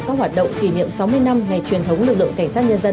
các hoạt động kỷ niệm sáu mươi năm ngày truyền thống lực lượng cảnh sát nhân dân